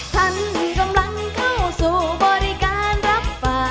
ท่านกำลังเข้าสู่บริการรับป่า